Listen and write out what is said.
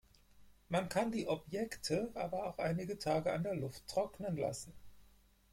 Man kann die Objekte aber auch einige Tage an der Luft trocknen lassen.